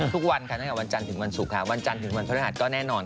ทุกวันวันจันทร์ถึงวันศุกร์วันจันทร์ถึงวันภัยร้ายก็แน่นอนค่ะ